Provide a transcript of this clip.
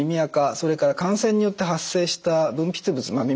それから感染によって発生した分泌物耳